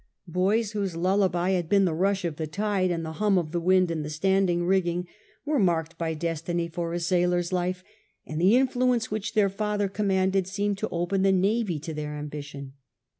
Boys whose lullaby had been the rush of the tide and the hum of the wind in the standing rigging were marked j4 turbulent nursery by destiny for a sailor's life, and the influence which their father commanded seemed to open the navy to their ambition.